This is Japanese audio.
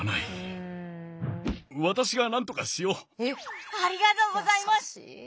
ありがとうございます！